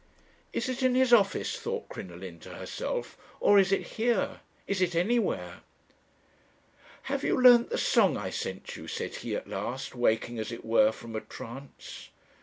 "'Is it in his office?' thought Crinoline to herself; 'or is it here? Is it anywhere?' "'Have you learnt the song I sent you? said he at last, waking, as it were, from a trance.